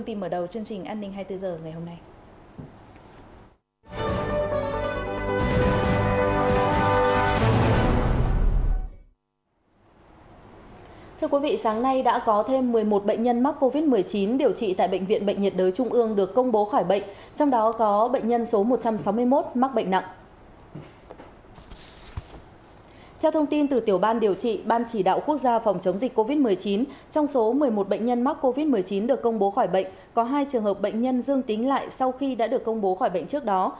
trong số một mươi một bệnh nhân mắc covid một mươi chín được công bố khỏi bệnh có hai trường hợp bệnh nhân dương tính lại sau khi đã được công bố khỏi bệnh trước đó